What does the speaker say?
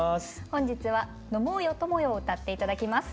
本日は「呑もうよ友よ」を歌って頂きます。